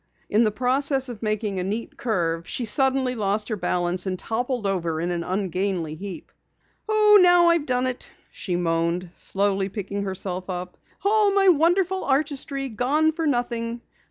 In the process of making a neat curve she suddenly lost her balance and toppled over in an ungainly heap. "Oh, now I've done it!" she moaned, slowly picking herself up. "All my wonderful artistry gone for nothing.